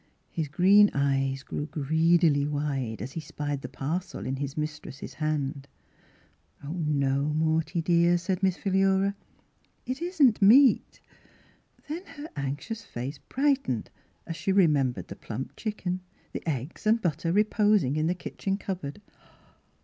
His green eyes grew greedily wide, as he spied the parcel in his mis tress' hand. " No, Morty dear," said Miss Philura ;" it isn't meat." Then her anxious face brightened, as she remembered the plump chicken, the eggs and butter reposing in the kitchen cupboard.